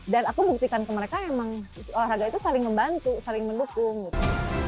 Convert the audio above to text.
dan aku buktikan ke mereka emang olahraga itu saling membantu saling mendukung gitu